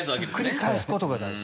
繰り返すことが大事。